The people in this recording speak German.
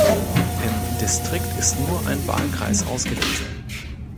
Im Distrikt ist nur ein Wahlkreis ausgewiesen.